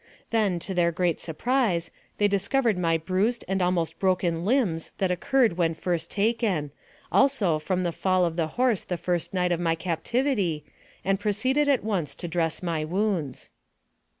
Then, to their great surprise, they discovered my bruised and almost broken limbs that occurred when first taken, also from the fall of the horse the first night of my captivity, and proceeded at once to dress my wounds.